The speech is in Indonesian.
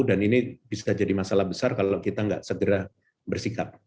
dan ini bisa jadi masalah besar kalau kita nggak segera bersikap